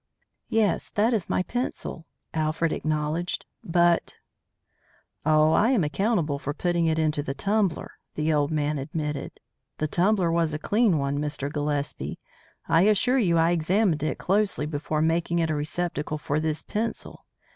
"Yes, that is my pencil," Alfred acknowledged. "But " "Oh, I am accountable for putting it into the tumbler," the old man admitted. "The tumbler was a clean one, Mr. Gillespie. I assure you I examined it closely before making it a receptacle for this pencil.